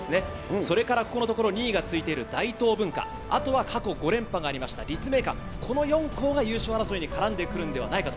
それからこのところ２位が続いている大東文化、あとは過去５連覇がありました、立命館、この４校が優勝争いに絡んでくるんではないかと。